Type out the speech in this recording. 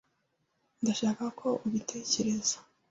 S Ndashaka ko ubitekereza.